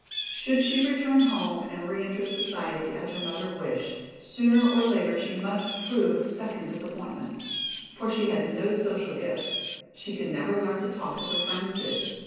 Should she return home and re enter society as her mother wished, sooner or later she must prove a second disappointment. For she had no social gifts; she could never learn to talk as her friends did.